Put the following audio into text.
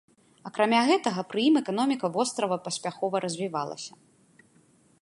Акрамя гэтага, пры ім эканоміка вострава паспяхова развівалася.